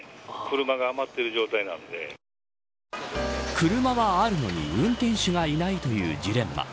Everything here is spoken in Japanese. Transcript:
車はあるのに運転手がいないというジレンマ。